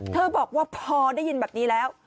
บอกว่าพอได้ยินแบบนี้แล้ว